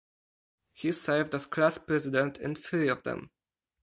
He served as class president in three of them.